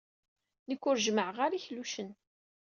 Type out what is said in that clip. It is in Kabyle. Nekk ur jemmɛeɣ ara iklucen.